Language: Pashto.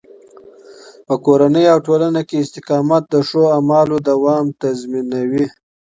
په کورني او ټولنه کې استقامت د ښو اعمالو دوام تضمینوي.